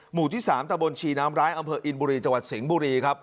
หมู่ที่๓ตะบนชีน้ำร้ายอำเภออินบุรีจังหวัดสิงห์บุรีครับ